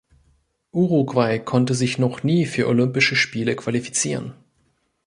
Uruguay konnte sich noch nie für Olympische Spiele qualifizieren.